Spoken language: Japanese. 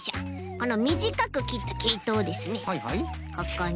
このみじかくきったけいとをですね